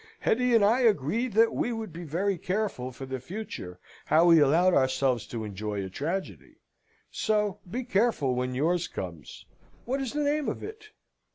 Hetty and I agreed that we would be very careful, for the future, how we allowed ourselves to enjoy a tragedy. So, be careful when yours comes! What is the name of it?"